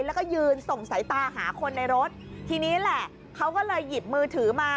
แล้วก็ยืนส่งสายตาหาคนในรถทีนี้แหละเขาก็เลยหยิบมือถือมา